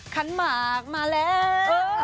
ขันหมากมาแล้ว